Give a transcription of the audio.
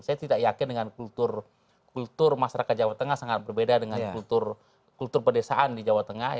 saya tidak yakin dengan kultur masyarakat jawa tengah sangat berbeda dengan kultur pedesaan di jawa tengah